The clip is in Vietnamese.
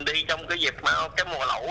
đi trong cái dịp mà cái mùa lũ á